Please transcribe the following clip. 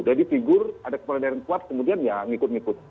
jadi figur ada kepala daerah yang kuat kemudian ya ngikut ngikut